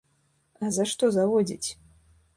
А за што заводзіць?